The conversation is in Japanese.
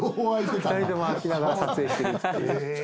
２人とも開きながら撮影してるっていう。